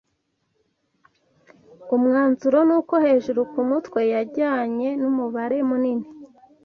Umwanzuro ni uko hejuru kumutwe yajyanye numubare munini